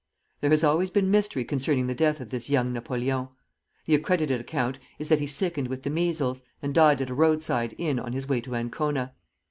There has always been mystery concerning the death of this young Napoleon. The accredited account is that he sickened with the measles, and died at a roadside inn on his way to Ancona.